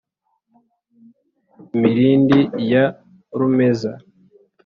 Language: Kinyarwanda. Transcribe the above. mirindi ya rumeza,